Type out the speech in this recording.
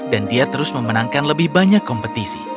dan dia terus memenangkan lebih banyak kompetisi